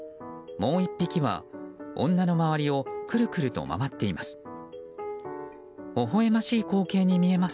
もう１匹は、女の周りをクルクルと回っています。